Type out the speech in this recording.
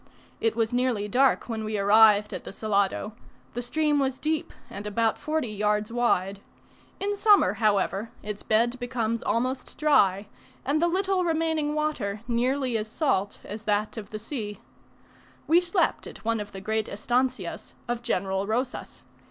It was nearly dark when we arrived at the Salado; the stream was deep, and about forty yards wide; in summer, however, its bed becomes almost dry, and the little remaining water nearly as salt as that of the sea. We slept at one of the great estancias of General Rosas.